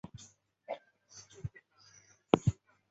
莲塘镇神符岩摩崖石刻的历史年代为元代。